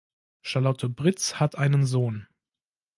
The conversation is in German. Charlotte Britz hat einen Sohn.